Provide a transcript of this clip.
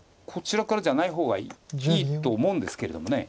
こちらからじゃない方がいいと思うんですけれども。